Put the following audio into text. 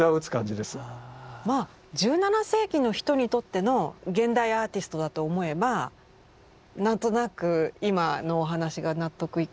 まあ１７世紀の人にとっての現代アーティストだと思えば何となく今のお話が納得いくというか。